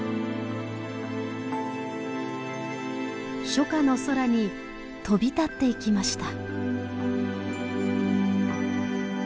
初夏の空に飛び立っていきました。